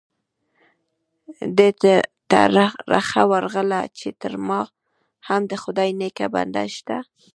ده ته رخه ورغله چې تر ما هم د خدای نیک بنده شته.